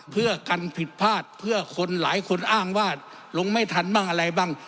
เพื่อกันผิดพลาดเพื่อคนหลายคนอ้างว่าลงไม่ทันบ้างอะไรบ้าง